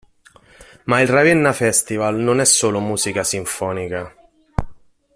Ma il Ravenna Festival non è solo musica sinfonica.